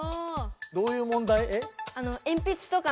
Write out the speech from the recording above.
どういう問題？